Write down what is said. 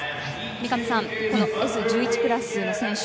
三上さんこのＳ１１クラスの選手